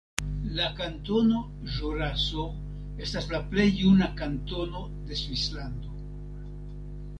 La Kantono Ĵuraso estas la plej juna kantono de Svislando.